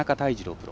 プロ。